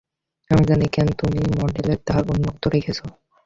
আমি জানি, কেন তুমি মডেলের দ্বার উন্মুক্ত রেখেছ।